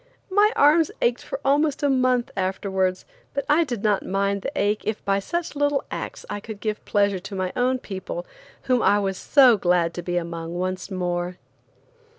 My arms ached for almost a month afterwards, but I did not mind the ache if by such little acts I could give pleasure to my own people, whom I was so glad to be among once more.